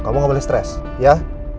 kamu gak boleh stress ya